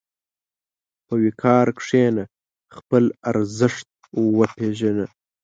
په وقار کښېنه، خپل ارزښت وپېژنه.